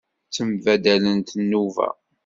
Ttembaddalet nnuba.